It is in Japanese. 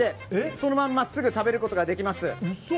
そのまんますぐ食べることができます。